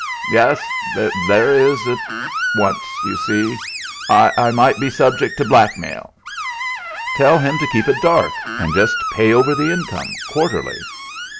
"Yes, there it is at once, you see. I might be subject to blackmail." "Tell him to keep it dark, and just pay over the income, quarterly."